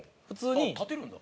あっ立てるんだ。